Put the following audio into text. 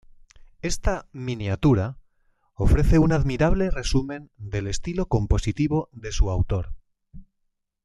Esta ""miniatura"" ofrece un admirable resumen del estilo compositivo de su autor.